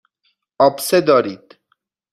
آبسه دارید.